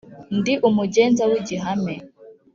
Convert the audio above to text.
ndi umugenza w’igihame